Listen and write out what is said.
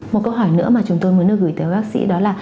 một câu hỏi nữa mà chúng tôi muốn được gửi tới bác sĩ đó là